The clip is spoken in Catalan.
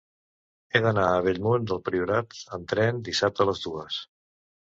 He d'anar a Bellmunt del Priorat amb tren dissabte a les dues.